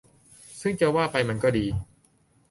ซึ่งจะว่าไปมันก็ดี